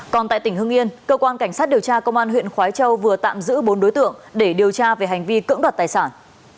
còn tại tỉnh hưng yên cơ quan cảnh sát điều tra công an huyện khói châu vừa tạm giữ bốn đối tượng để điều tra về hành vi cưỡng đoạt tài sản